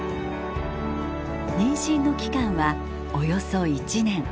妊娠の期間はおよそ１年。